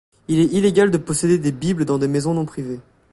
Il est illégal de posséder des bibles dans des maisons non privées.